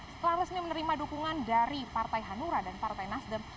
setelah resmi menerima dukungan dari partai hanura dan partai nasdem